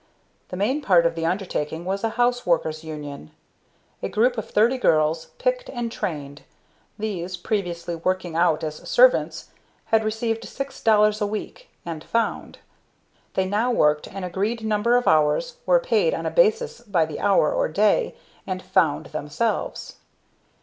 The main part of the undertaking was a House Worker's Union; a group of thirty girls, picked and trained. These, previously working out as servants, had received six dollars a week "and found." They now worked an agreed number of hours, were paid on a basis by the hour or day, and "found" themselves.